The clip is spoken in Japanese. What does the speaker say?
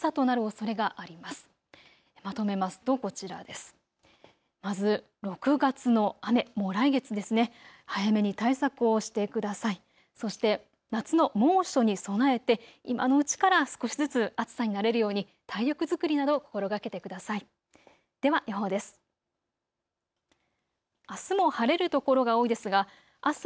そして夏の猛暑に備えて今のうちから少しずつ暑さに慣れるように体力作りなど心がけてください。